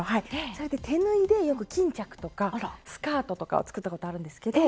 それで手縫いで巾着とかスカートとかを作ったことあるんですけど。